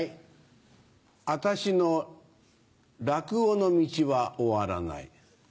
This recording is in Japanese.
私の落語の道は終わらない。